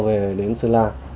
về đến sơn la